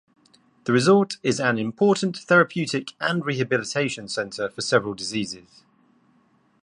The resort is an important therapeutic and rehabilitation centre for several diseases.